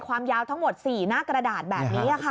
ความยาวทั้งหมด๔หน้ากระดาษแบบนี้ค่ะ